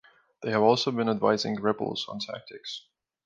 They have also been advising rebels on tactics.